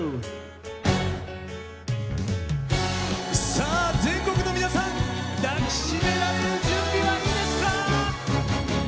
さあ全国の皆さん抱き締められる準備はいいですか。